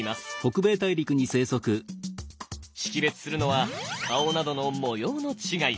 識別するのは顔などの模様の違い。